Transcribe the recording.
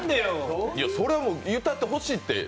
それは歌ってほしいって。